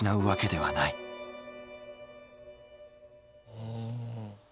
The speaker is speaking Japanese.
うん。